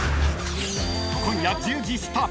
［今夜１０時スタート］